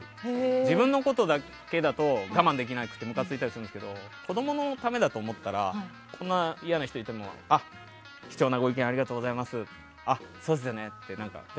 自分のことだけだと我慢できなくてむかついたりするんですけど子供のためだと思ったらそんな嫌な人がいてもあ、貴重なご意見ありがとうございます。